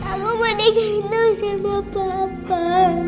aku mau digendong sama papa